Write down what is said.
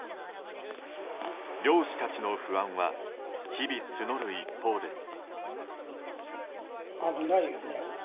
漁師たちの不安は日々募る一方です。